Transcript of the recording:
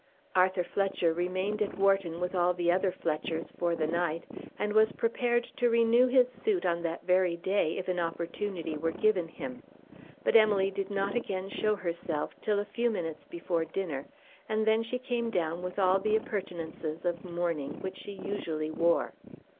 Arthur Fletcher remained at Wharton with all the other Fletchers for the night, and was prepared to renew his suit on that very day, if an opportunity were given him; but Emily did not again show herself till a few minutes before dinner, and then she came down with all the appurtenances of mourning which she usually wore.